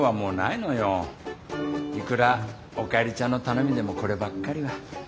いくらおかえりちゃんの頼みでもこればっかりは。